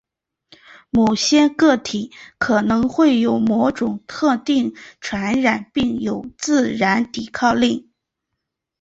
某些个体可能会对某种特定传染病有自然抵抗力。